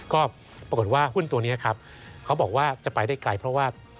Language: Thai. ก็ปรากฏว่าหุ้นตัวนี้ครับเขาบอกว่าจะไปได้ไกลเพราะว่า